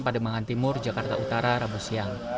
pademangan timur jakarta utara rabu siang